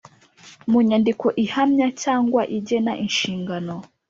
mu nyandiko ihamya cyangwa igena inshingano.